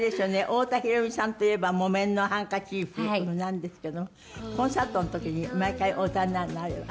太田裕美さんといえば『木綿のハンカチーフ』なんですけどもコンサートの時に毎回お歌いになるの？